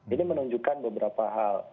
ini menunjukkan beberapa hal